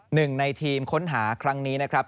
หนึ่งในทีมค้นหาครั้งนี้นะครับ